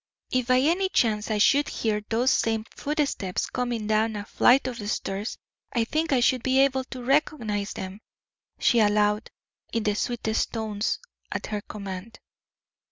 "If by any chance I should hear those same footsteps coming down a flight of stairs, I think I should be able to recognise them," she allowed, in the sweetest tones at her command.